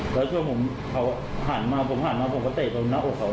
แล้วช่วงผมเขาหันมาผมหันมาผมก็เตะตรงหน้าอกเขา